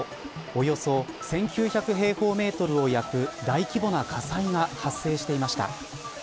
およそ１９００平方メートルを焼く大規模な火災が発生していました。